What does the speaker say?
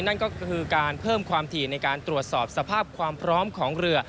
นั่นก็คือการเพิ่มความถี่ในการตรวจสอบสภาพความพร้อมของเรือ